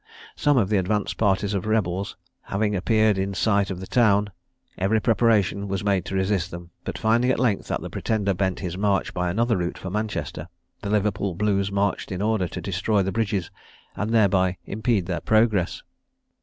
Some of the advanced parties of rebels having appeared in sight of the town, every preparation was made to resist them; but, finding at length that the Pretender bent his march by another route for Manchester, the Liverpool Blues marched in order to destroy the bridges, and thereby impede their progress.